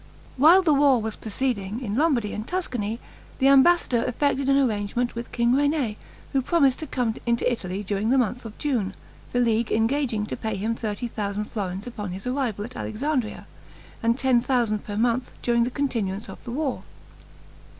While the war was proceeding in Lombardy and Tuscany, the ambassador effected an arrangement with King René, who promised to come into Italy during the month of June, the League engaging to pay him thirty thousand florins upon his arrival at Alexandria, and ten thousand per month during the continuance of the war.